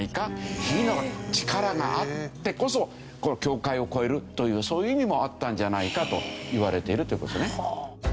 火の力があってこそこの境界を越えるというそういう意味もあったんじゃないかといわれているという事ね。